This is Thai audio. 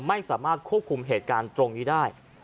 ไม่สามารถควบคุมเหตุการณ์ตรงนี้ได้